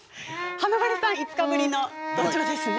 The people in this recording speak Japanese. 華丸さん、５日ぶりの登場ですね。